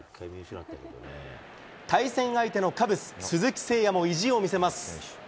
対戦相手のカブス、鈴木誠也も意地を見せます。